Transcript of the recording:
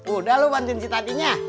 udah lo bantuin si tadinya